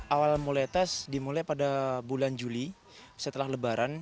awal mulai tes dimulai pada bulan juli setelah lebaran